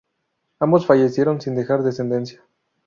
Ambos fallecieron sin dejar descendencia.